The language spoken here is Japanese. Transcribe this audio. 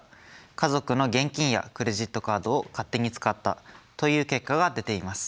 「家族の現金やクレジットカードを勝手に使った」という結果が出ています。